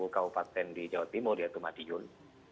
kabupaten di jawa timur di atumadiyun